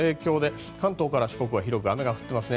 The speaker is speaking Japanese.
関東から四国は広く雨が降っています。